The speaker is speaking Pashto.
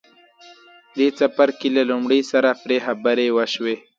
دې څپرکي له لومړي سره پرې خبرې وشوې.